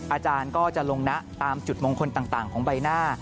อาจารย์ก็จะลงนะตามจุดมงคลต่างของใบหน้า